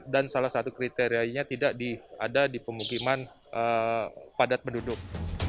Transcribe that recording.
dan salah satu kriterianya tidak ada di pemukiman padat penduduk